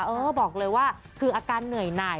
เออบอกเลยว่าคืออาการเหนื่อยหน่าย